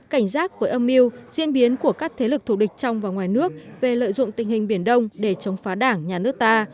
cảnh giác với âm mưu diễn biến của các thế lực thù địch trong và ngoài nước về lợi dụng tình hình biển đông để chống phá đảng nhà nước ta